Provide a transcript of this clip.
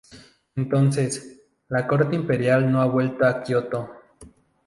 Entonces, la Corte Imperial no ha vuelto a Kioto.